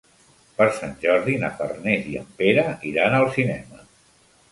Per Sant Jordi na Farners i en Pere iran al cinema.